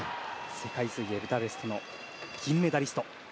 世界水泳ブダペストの銀メダリスト。